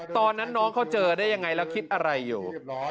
ตอนนั้นน้องเขาเจอได้ยังไงแล้วคิดอะไรอยู่